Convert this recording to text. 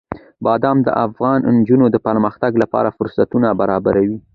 بادام د افغان نجونو د پرمختګ لپاره فرصتونه برابروي.